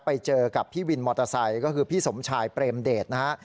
ไปเจอกับพี่วินมอเตอร์ไซค์ก็คือพี่สมชายเปรมเดชนะฮะ